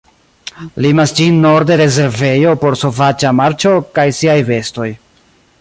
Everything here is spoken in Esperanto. Limas ĝin norde rezervejo por sovaĝa marĉo kaj sia bestoj.